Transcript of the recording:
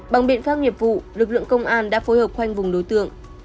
bằng biện pháp nghiệp vụ lực lượng công an đã phối hợp khoanh vùng đối tượng